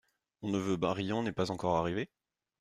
Mon neveu Barillon n’est pas encore arrivé ?